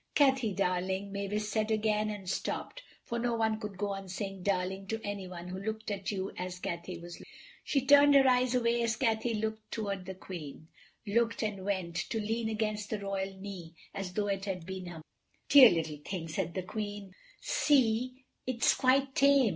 "Cathay, darling," Mavis said again, and stopped, for no one could go on saying "darling" to anyone who looked at you as Cathay was looking. She turned her eyes away as Cathay looked toward the Queen—looked, and went, to lean against the royal knee as though it had been her mother's. "Dear little thing," said the Queen; "see, it's quite tame.